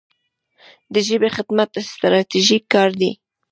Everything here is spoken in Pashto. د ژبې خدمت ستراتیژیک کار دی.